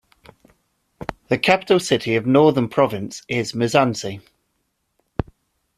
The capital city of Northern Province is Musanze.